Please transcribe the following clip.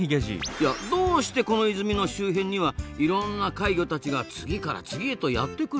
いやどうしてこの泉の周辺にはいろんな怪魚たちが次から次へとやって来るんですかね？